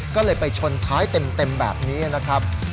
ก็เลยไปชนท้ายเต็มแบบนี้นะครับ